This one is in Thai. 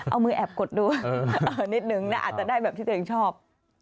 เอามือแอบกดดูนิดนึงนะอาจจะได้แบบที่ตัวเองชอบ